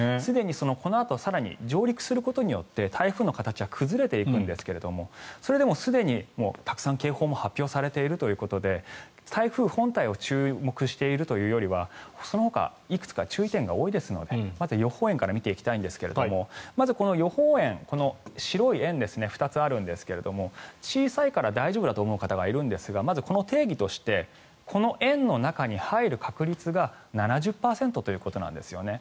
このあと更に上陸することによって台風の形は崩れていくんですがそれでも、すでにたくさん警報も発表されているということで台風本体に注目しているというよりはそのほかいくつか注意点が多いですのでまずは予報円から見ていきたいんですがまずこの予報円、白い円ですが２つあるんですが小さいから大丈夫だと思う方がいるんですがまずこの定義としてこの円の中に入る確率が７０％ということなんですよね。